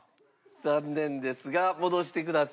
残念ですが戻してください。